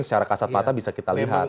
secara kasat mata bisa kita lihat